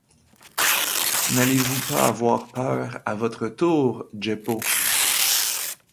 N’allez-vous pas avoir peur à votre tour, Jeppo!